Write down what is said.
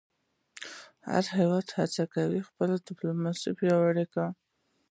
هر هېواد هڅه کوي خپله ډیپلوماسي پیاوړې کړی.